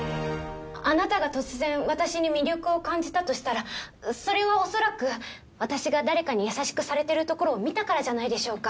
あなたが突然私に魅力を感じたとしたらそれは恐らく私が誰かに優しくされてるところを見たからじゃないでしょうか？